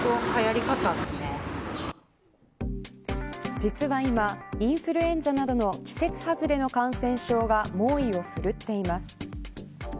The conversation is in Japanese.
実は今、インフルエンザなどの季節外れの感染症が猛威をふるっています。